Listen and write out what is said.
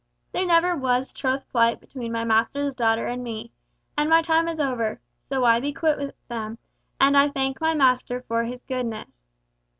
There never was troth plight between my master's daughter and me, and my time is over, so I be quit with them, and I thank my master for his goodness.